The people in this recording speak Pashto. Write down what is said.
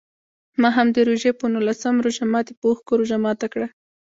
ما هم د روژې په نولسم روژه ماتي په اوښکو روژه ماته کړه.